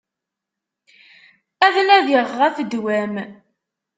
Ad tnadiɣ ɣef ddwa-m.